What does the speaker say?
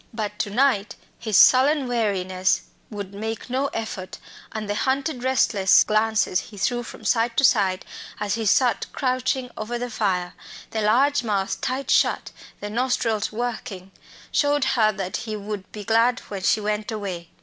But to night his sullen weariness would make no effort, and the hunted restless glances he threw from side to side as he sat crouching over the fire the large mouth tight shut, the nostrils working showed her that he would be glad when she went away.